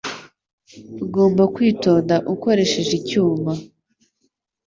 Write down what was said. Ugomba kwitonda ukoresheje icyuma.